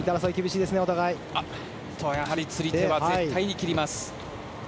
釣り手は絶対に切ります。